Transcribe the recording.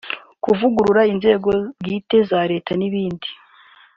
kuvugurura inzego bwite za leta n’ibindi